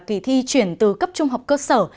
kỳ thi chuyển từ cấp trung học cơ sở